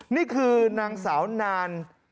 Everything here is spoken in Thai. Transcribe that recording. นี่คือนางสาวนาน